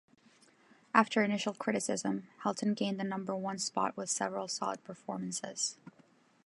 After initial criticism, Helton gained the number one spot with several solid performances.